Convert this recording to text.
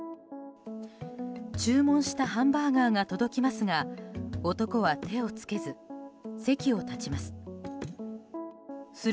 注文したハンバーガーが届きますが男は手を付けず、席を立ちます。